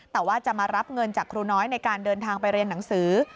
แต่ว่าจะมารับเงินจากครูน้อยในการเดินทางไปเรียนหนังสือ